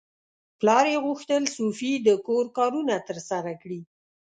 پلار یې غوښتل سوفي د کور کارونه ترسره کړي.